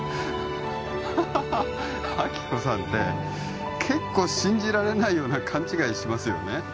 ハハハ亜希子さんって結構信じられないような勘違いしますよね